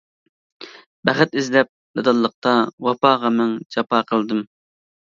بەخت ئىزدەپ نادانلىقتا، ۋاپاغا مىڭ جاپا قىلدىم.